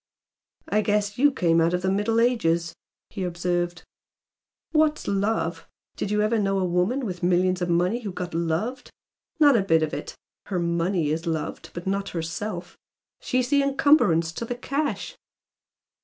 "I guess you came out of the Middle Ages!" he observed "What's 'love'? Did you ever know a woman with millions of money who got 'loved'? Not a bit of it! Her MONEY is loved but not herself. She's the encumbrance to the cash."